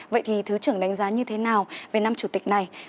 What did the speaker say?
vậy thì thứ trưởng đánh giá như thế nào về năm chủ tịch này